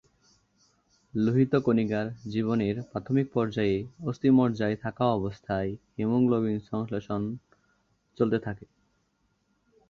লোহিত কণিকার জীবনের প্রাথমিক পর্যায়ে অস্হিমজ্জায় থাকা অবস্হায় হিমোগ্লোবিন সংশ্লেষণ চলতে থাকে।